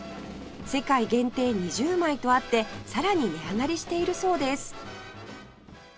世界限定２０枚とあってさらに値上がりしているそうです